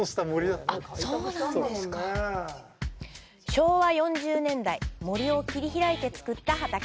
昭和４０年代森を切り開いてつくった畑。